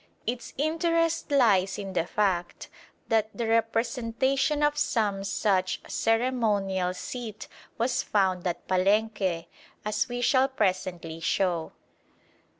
Its interest lies in the fact that the representation of some such ceremonial seat was found at Palenque, as we shall presently show.